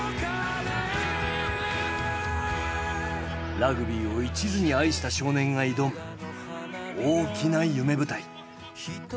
ラグビーをいちずに愛した少年が挑む大きな夢舞台。